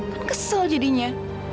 kan kesel jadinya